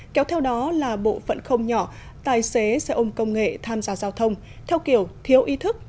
kéo theo đó là bộ phận không nhỏ tài xế xe ôm công nghệ tham gia giao thông theo kiểu thiếu ý thức